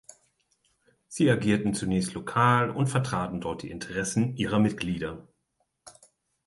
Sie agierten zunächst lokal und vertraten dort die Interessen ihrer Mitglieder.